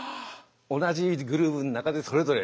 同じグルーヴの中でそれぞれ。